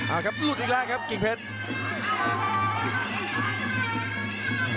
เอาครับหลุดอีกแล้วครับกิ่งเพชร